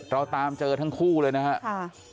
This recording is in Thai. เราตามเจอทั้งคู่เลยนะครับ